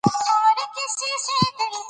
واوره د افغان کورنیو د دودونو یو مهم عنصر دی.